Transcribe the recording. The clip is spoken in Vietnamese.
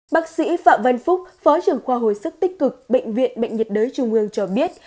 bác sĩ phạm văn phúc phó trưởng khoa hồi sức tích cực bệnh viện bệnh nhiệt đới trung ương cho biết